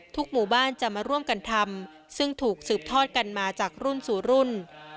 หมู่บ้านจะมาร่วมกันทำซึ่งถูกสืบทอดกันมาจากรุ่นสู่รุ่น